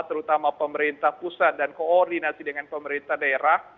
terutama pemerintah pusat dan koordinasi dengan pemerintah daerah